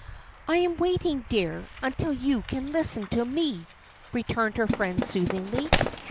"I am waiting, dear, until you can listen to me," returned her friend, soothingly.